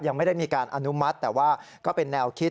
ยังไม่ได้มีการอนุมัติแต่ว่าก็เป็นแนวคิด